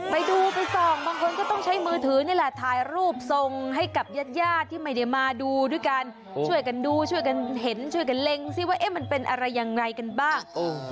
ไปดูไปส่องบางคนก็ต้องใช้มือถือนี่แหละถ่ายรูปทรงให้กับญาติญาติที่ไม่ได้มาดูด้วยกันช่วยกันดูช่วยกันเห็นช่วยกันเล็งซิว่ามันเป็นอะไรยังไงกันบ้าง